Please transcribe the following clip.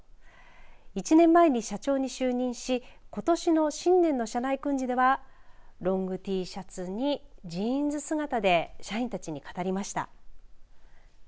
１年前に社長に就任しことしの新年の社内訓示では、ロングＴシャツにジーンズ姿で社員たちに語りました。